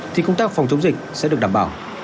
thì công tác phòng chống dịch sẽ được đảm bảo